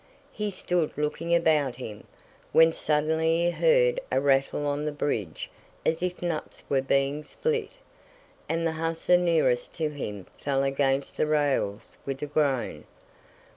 He stood looking about him, when suddenly he heard a rattle on the bridge as if nuts were being spilt, and the hussar nearest to him fell against the rails with a groan.